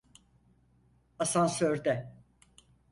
Asansörde.